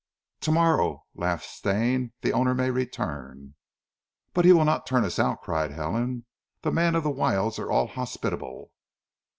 "Tomorrow," laughed Stane, "the owner may return." "But he will not turn us out," cried Helen. "The men of the wilds are all hospitable."